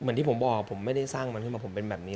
ที่ผมบอกผมไม่ได้สร้างมันขึ้นมาผมเป็นแบบนี้